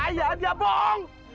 ayah dia bohong